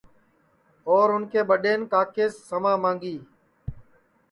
اور اُن کے ٻڈین کاکیس سما مانگی